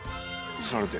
つられて。